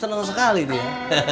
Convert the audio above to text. senang sekali dia